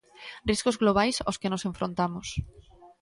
Riscos globais aos que nos enfrontamos.